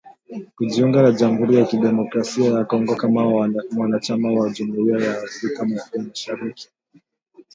kujiunga kwa jamhuri ya kidemokrasia ya Kongo kama mwanachama wa jumuia ya Afrika ya mashariki